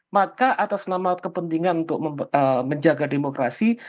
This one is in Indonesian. maka atas nama kepentingan untuk menjaga demokrasi